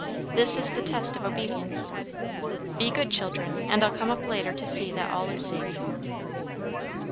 This is the test of obedience. Be good children, and I'll come up later to see that all is safe."